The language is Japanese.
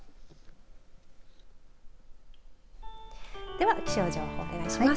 では、気象情報お願いします。